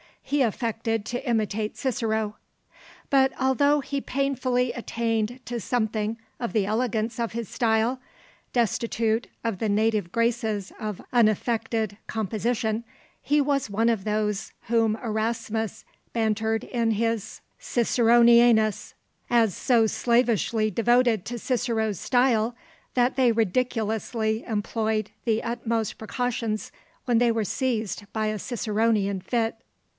He affected to imitate Cicero. But although he painfully attained to something of the elegance of his style, destitute of the native graces of unaffected composition, he was one of those whom Erasmus bantered in his Ciceronianus, as so slavishly devoted to Cicero's style, that they ridiculously employed the utmost precautions when they were seized by a Ciceronian fit.